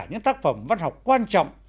những tác phẩm văn học quan trọng